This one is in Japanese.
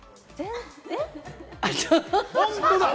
本当だ！